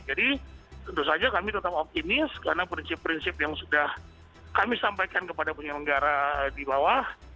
tentu saja kami tetap optimis karena prinsip prinsip yang sudah kami sampaikan kepada penyelenggara di bawah